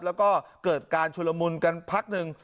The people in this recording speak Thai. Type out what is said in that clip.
แล้วก็เกิดการชุลมุนกันพักหนึ่ง